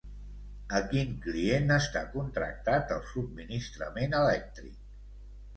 A quin client està contractat el subministrament elèctric?